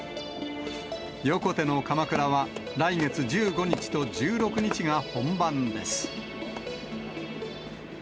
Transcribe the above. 横手のかまくらは、来月１５日と１６日が本番です。